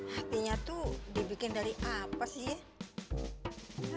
hatinya tuh dibikin dari apa sih